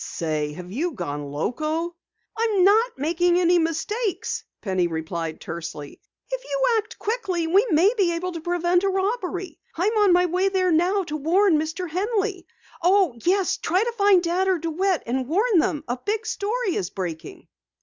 "Say, have you gone loco?" "I'm not making any mistakes," Penny replied tersely. "If you act quickly we may prevent a robbery. I'm on my way there now to warn Mr. Henley! Oh, yes, try to find Dad or DeWitt and warn them a big story is breaking!"